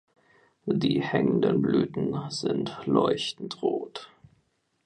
Die hängenden Blüten sind leuchtend rot.